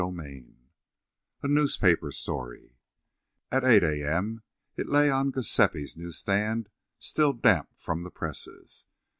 XVIII A NEWSPAPER STORY At 8 A. M. it lay on Giuseppi's news stand, still damp from the presses.